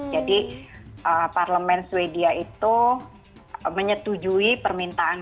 jadi parlemen sweden itu menyetujui permintaan